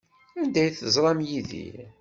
Anda ay teẓram Yidir?